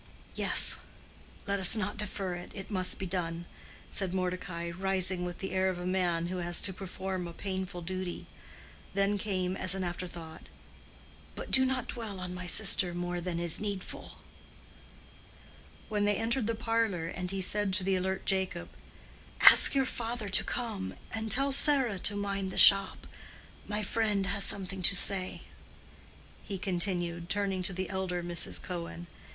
"Yes; let us not defer it. It must be done," said Mordecai, rising with the air of a man who has to perform a painful duty. Then came, as an afterthought, "But do not dwell on my sister more than is needful." When they entered the parlor he said to the alert Jacob, "Ask your father to come, and tell Sarah to mind the shop. My friend has something to say," he continued, turning to the elder Mrs. Cohen.